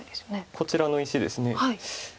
こちらの石ですね。